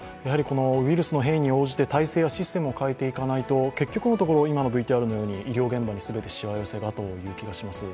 ウイルスの変異に応じて体制やシステムを変えていかないと、結局のところ今のＶＴＲのように医療現場に全てしわ寄せがという気がします。